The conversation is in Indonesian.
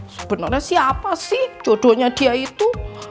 sebenarnya siapa sih jodohnya dia itu